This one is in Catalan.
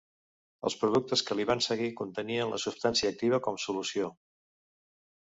Els productes que li van seguir contenien la substància activa com solució.